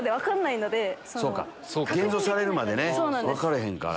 現像されるまで分かれへんから。